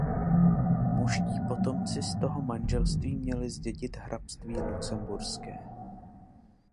Mužští potomci z toho manželství měli zdědit hrabství lucemburské.